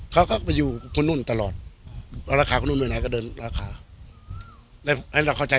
แต่อยู่ในกระเป๋าแล้วเราก็ไม่ไหว่ใจ